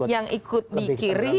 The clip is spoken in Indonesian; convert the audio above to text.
yang ikut di kiri